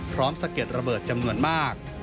สะเก็ดระเบิดจำนวนมาก